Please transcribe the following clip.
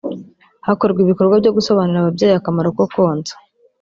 hakorwa ibikorwa byo gusobanurira ababyeyi akamaro ko konsa